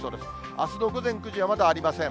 あすの午前９時はまだありません。